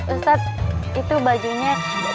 ustaz itu bajunya